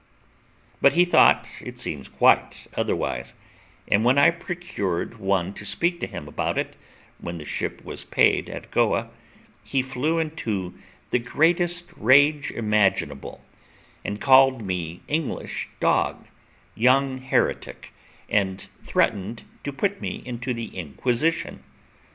But he thought, it seems, quite otherwise; and when I procured one to speak to him about it, when the ship was paid at Goa, he flew into the greatest rage imaginable, and called me English dog, young heretic, and threatened to put me into the Inquisition.